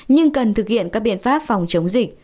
nhưng cần thực hiện các biện pháp phòng chống dịch